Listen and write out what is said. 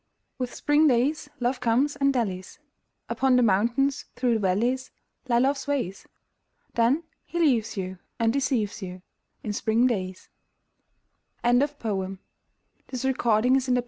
With spring days Love comes and dallies: Upon the mountains, through the valleys Lie Love's ways. Then he leaves you and deceives you In spring days. Ernest Dowson The Moon Maiden's Song SLEEP!